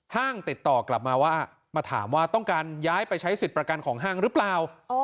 ติดต่อกลับมาว่ามาถามว่าต้องการย้ายไปใช้สิทธิ์ประกันของห้างหรือเปล่า